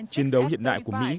chiến đấu hiện đại của mỹ